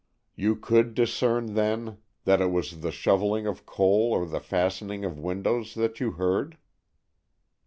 "You could discern, then, that it was the shovelling of coal or the fastening of windows that you heard?"